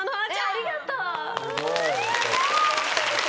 ありがとう。